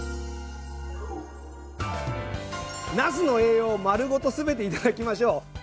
なすの栄養を丸ごと全て頂きましょう！